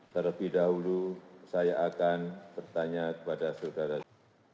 terlebih dahulu saya akan bertanya kepada saudara saudara